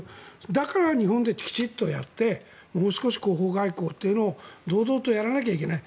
だから日本できちんとやってもう少し広報外交というのを堂々とやらないといけない。